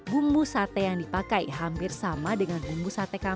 bumbu sate yang dipakai hampir sama dengan bumbu sate kambing